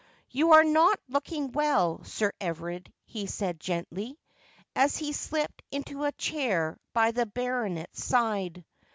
319 ' You are not looking well, Sir Everard,' he said gently, as he slipped into a chair by the baronet's side.